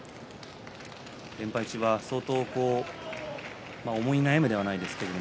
連敗中は相当思い悩むではないですけど。